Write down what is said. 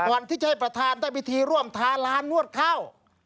ก่อนที่จะให้ประธานได้พิธีร่วมทาร้านนวดข้าว